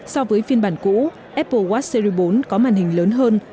so với phiên bản cũ apple watch seri bốn có màn hình lớn hơn